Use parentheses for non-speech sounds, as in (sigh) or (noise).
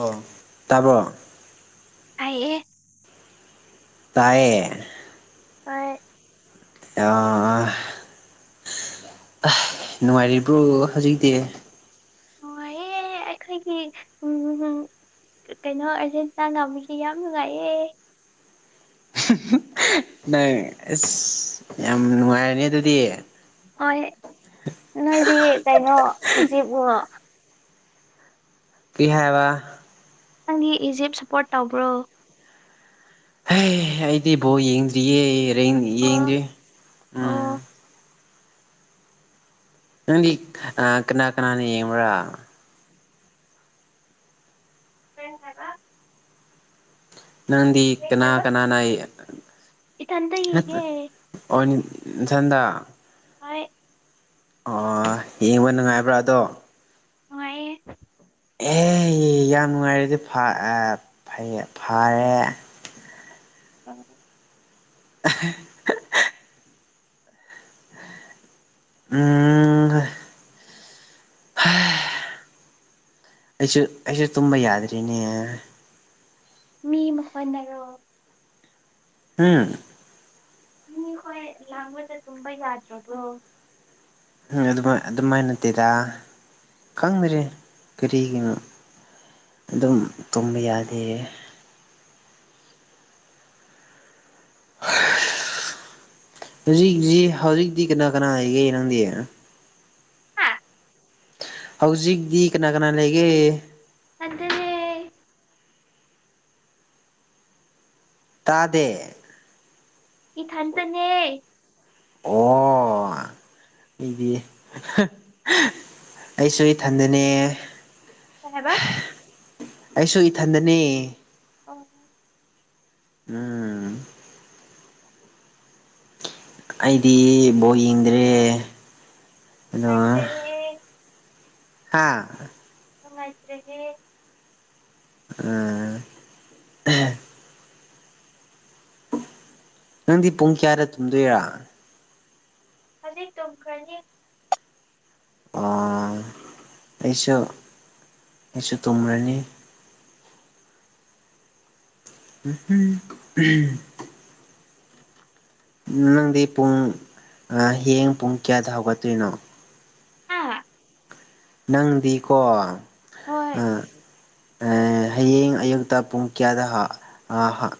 ꯑꯣ ꯇꯥꯕ꯭ꯔꯣ ꯇꯥꯏꯌꯦ ꯇꯥꯏꯌꯦ ꯇꯥꯏꯌꯦ (unintelligible) ꯑꯥ ꯑꯥ ꯅꯨꯡꯉꯥꯏꯔꯤꯕ꯭ꯔꯣ ꯍꯧꯖꯤꯛꯇꯤ ꯅꯨꯡꯉꯥꯏꯌꯦ ꯑꯈꯣꯏꯒꯤ ꯎꯝ ꯀꯩꯅꯣ ꯑꯥꯔꯖꯦꯟꯇꯤꯅ ꯉꯝꯕꯁꯦ ꯌꯥꯝ ꯅꯨꯡꯉꯥꯏꯌꯦ ꯅꯪ ꯑꯁ ꯌꯥꯝ ꯅꯨꯡꯉꯥꯏꯔꯦ ꯑꯗꯨꯗꯤ ꯍꯣꯏ ꯅꯣꯏꯗꯤ ꯀꯩꯅꯣ ꯏꯖꯤꯞꯔꯣ ꯀꯤ ꯍꯥꯏꯕ ꯅꯪꯗꯤ ꯏꯖꯤꯞ ꯁꯞꯄꯣꯔꯠ ꯇꯧꯕ꯭ꯔꯣ ꯍꯩ ꯍꯦ ꯑꯩꯗꯤ ꯕꯣꯜ ꯌꯦꯡꯗ꯭ꯔꯤꯌꯦ ꯑꯣ ꯌꯦꯡꯗ꯭ꯔꯤ ꯎꯝ ꯑꯣ ꯅꯪꯗꯤ ꯑꯥ ꯀꯅꯥ ꯀꯅꯥꯅ ꯌꯦꯡꯕ꯭ꯔ (unintelligible) ꯅꯪꯗꯤ ꯀꯩ ꯀꯅꯥ ꯍꯥꯏꯕ ꯀꯅꯥꯅꯥ ꯏꯊꯟꯇ ꯌꯦꯡꯉꯦ ꯅꯥꯊꯟꯇꯥ ꯍꯣꯏ ꯑꯣ ꯌꯦꯡꯕ ꯅꯨꯡꯉꯥꯏꯕ꯭ꯔꯥ ꯑꯗꯣ ꯅꯨꯡꯉꯥꯏꯌꯦ ꯑꯦ ꯌꯥꯝ ꯅꯨꯡꯉꯥꯏꯔꯗꯤ ꯐꯥ ꯑꯥ ꯐꯩ ꯐꯥꯌꯦ ꯎꯝ (unintelligible) ꯎꯝ ꯍꯥ ꯑꯩꯁꯨ ꯑꯩꯁꯨ ꯇꯨꯝꯕ ꯌꯥꯗ꯭ꯔꯤꯅꯦ ꯃꯤ ꯃꯈꯣꯏꯗꯔꯣ ꯍꯨꯝ ꯃꯤ ꯈꯣꯏ ꯂꯥꯡꯕꯗ ꯇꯨꯕ ꯌꯥꯗ꯭ꯔꯕ꯭ꯔꯣ ꯎ ꯑꯗꯨꯃꯥꯏ ꯑꯗꯨꯃꯥꯏꯟ ꯅꯠꯇꯦꯗ ꯈꯪꯗ꯭ꯔꯦ ꯀꯔꯤꯒꯤꯅꯣ ꯑꯗꯨꯝ ꯇꯨꯝꯕ ꯌꯥꯗꯦ (inaudible) ꯍꯧꯖꯤꯛꯖꯤ ꯍꯧꯖꯤꯛꯇꯤ ꯀꯅꯥ ꯀꯅꯥ ꯍꯦꯒꯦ ꯅꯪꯗꯤ ꯍꯥ ꯍꯧꯖꯤꯛꯗꯤ ꯀꯅꯥ ꯀꯅꯥ ꯂꯩꯒꯦ ꯏꯊꯟꯇꯅꯦ ꯇꯥꯗꯦ ꯏꯊꯟꯇꯅꯦ ꯑꯣ ꯑꯩꯗꯤ ꯑꯩꯁꯨ ꯏꯊꯟꯗꯅꯦ ꯀꯩ ꯍꯥꯏꯕ ꯑꯩꯁꯨ ꯏꯊꯟꯗꯅꯦ ꯑꯣ ꯎꯝ ꯑꯩꯗꯤ ꯕꯣꯜ ꯌꯦꯡꯗ꯭ꯔꯦ ꯅꯠꯇꯦꯍꯦ ꯍꯥꯥ ꯅꯨꯡꯉꯥꯏꯇ꯭ꯔꯦꯍꯦ ꯎꯝ ꯑꯍ ꯅꯪꯗꯤ ꯄꯨꯡ ꯀꯌꯥꯗ ꯇꯨꯝꯗꯣꯏꯔꯥ ꯍꯧꯖꯤꯛ ꯇꯨꯝꯈ꯭ꯔꯅꯤ ꯑꯣ ꯑꯩꯁꯨ ꯑꯩꯁꯨ ꯇꯨꯝꯔꯥꯅꯤ (inaudible) (unintelligible) ꯅꯪꯗꯤ ꯄꯨꯡ ꯑꯥ ꯍꯌꯦꯡ ꯄꯨꯡ ꯀꯌꯥꯗ ꯍꯧꯒꯠꯇꯨꯏꯅꯣ ꯍꯥ ꯅꯪꯗꯤꯀꯣ ꯍꯣꯏ ꯑꯥ ꯑꯥ ꯍꯌꯦꯡ ꯑꯌꯨꯛꯇ ꯄꯨꯡ ꯀꯌꯥꯗ ꯍꯥ ꯑꯥ ꯍꯥ